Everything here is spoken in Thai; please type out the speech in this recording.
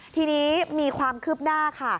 ทีนี้มีความคืบหน้าค่ะ